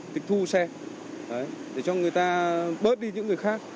để cho người ta bớt đi những người khác